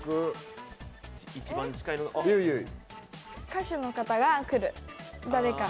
歌手の方が来る、誰か。